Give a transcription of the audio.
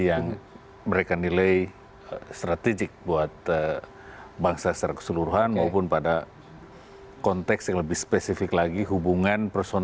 yang mereka nilai strategik buat bangsa secara keseluruhan maupun pada konteks yang lebih spesifik lagi hubungan personal